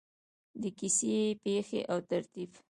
د کیسې پیښې او ترتیب: